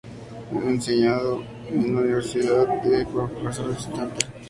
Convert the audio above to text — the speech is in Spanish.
Ha enseñado en la Universidad de Iowa como profesor visitante.